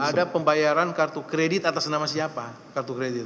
ada pembayaran kartu kredit atas nama siapa